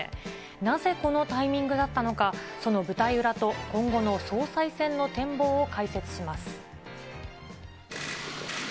なぜこのタイミングだったのか、その舞台裏と、今後の総裁選の展望を解説します。